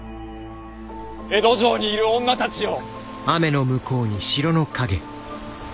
江戸城にいる女たちよ。